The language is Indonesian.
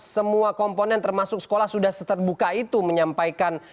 semua komponen termasuk sekolah sudah seterbuka itu menyampaikan